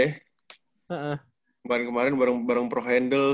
kemarin kemarin bareng pro handle